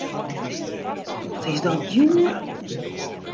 Wat is dat djoer!